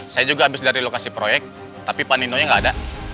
saya juga habis dari lokasi proyek tapi pak nino nya gak ada